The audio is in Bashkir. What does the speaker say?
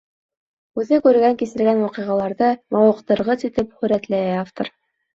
Үҙе күргән-кисергән ваҡиғаларҙы мауыҡтырғыс итеп һүрәтләй автор.